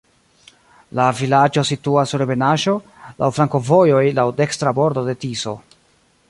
La vilaĝo situas sur ebenaĵo, laŭ flankovojoj, laŭ dekstra bordo de Tiso.